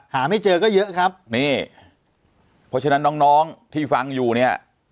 หาไม่เจอก็เยอะครับนี่เพราะฉะนั้นน้องน้องที่ฟังอยู่เนี่ย